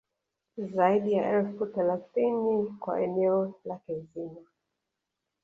Zaidi ya elfu thelathini kwa eneo lake zima